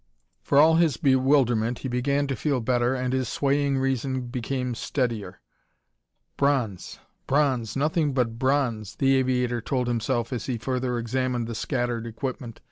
For all his bewilderment he began to feel better and his swaying reason became steadier. "Bronze, bronze nothing but bronze," the aviator told himself as he further examined the scattered equipment.